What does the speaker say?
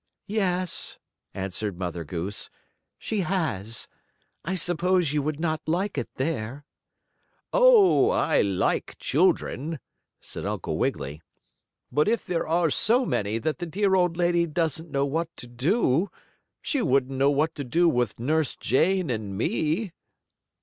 "Yes," answered Mother Goose, "she has. I suppose you would not like it there." "Oh, I like children," said Uncle Wiggily. "But if there are so many that the dear Old Lady doesn't know what to do, she wouldn't know what to do with Nurse Jane and me."